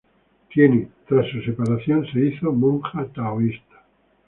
Tras su separación se hizo monja taoísta.